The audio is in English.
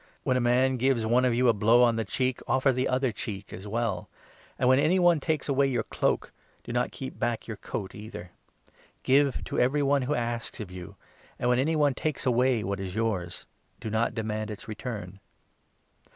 When a man gives one of you a blow on the cheek, offer the 29 on other cheek as well ; and, when any one takes Revenge, away your cloak, do not keep back your coat either. Give to every one who asks of you ; and, when 30 any one takes away what is yours, do not demand its return.